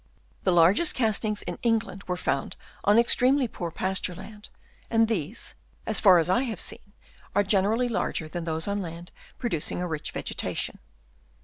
The largest castings in England were found on extremely poor pasture land ; and these, as far as I have seen, are generally larger than those on land producing a rich vegetation.